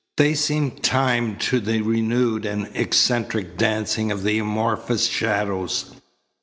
They seemed timed to the renewed and eccentric dancing of the amorphous shadows.